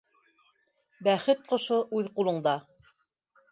- Бәхет ҡошо... үҙ ҡулыңда.